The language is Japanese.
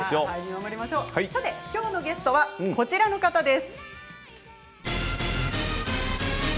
きょうのゲストはこちらの方です。